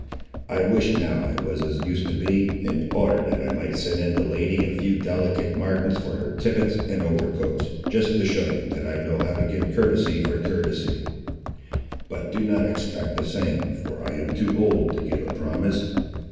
I wish, now, I was as I used to be, in order that I might send in the lady a few delicate martens for her tippets and overcoats, just to show you that I know how to give courtesy for courtesy. But do not expect the same, for I am too old to give a promise!